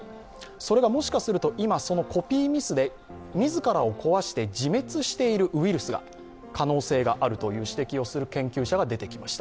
それがもしかすると今、コピーミスで自らを壊して自滅しているウイルスである可能性があるという指摘をする研究者が出てきました。